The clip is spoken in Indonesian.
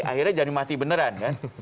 akhirnya jadi mati beneran kan